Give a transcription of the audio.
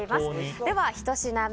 では、１品目。